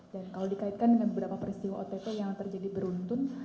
dan kalau dikaitkan dengan beberapa peristiwa ott yang terjadi beruntun